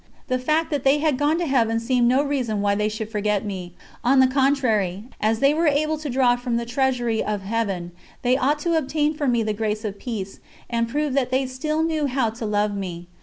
The fact that they had gone to Heaven seemed no reason why they should forget me on the contrary, as they were able to draw form the treasury of Heaven, they ought to obtain for me the grace of peace, and prove that they still knew how to love me.